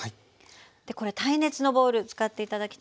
でこれ耐熱のボウル使って頂きたいんですね。